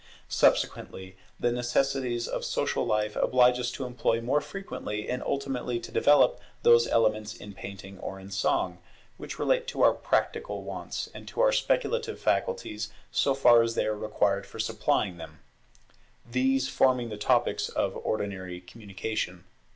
Subsequently the necessities of social life oblige us to employ more frequently, and ultimately to develop, those elements in painting or in song, which relate to our practical wants and to our speculative faculties so far as they are required for supplying them; these forming the topics of ordinary communication.